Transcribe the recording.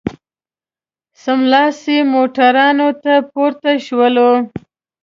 سملاسي موټرانو ته پورته شولو.